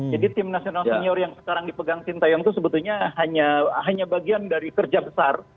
jadi tim nasional senior yang sekarang dipegang sintiung itu sebetulnya hanya bagian dari kerja besar